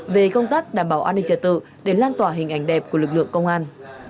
về công tác đảm bảo an ninh trật tự để lan tỏa hình ảnh đẹp của lực lượng công an